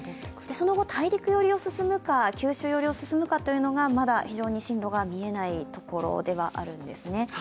その後、大陸寄りを進むか九州寄りを進むかまだ非常に進路がみえないところではあるんですね。